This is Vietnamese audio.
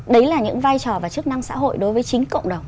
đấy là những vai trò và chức năng xã hội đối với chính cộng đồng